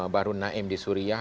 baru naim di suriah